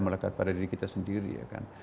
melekat pada diri kita sendiri ya kan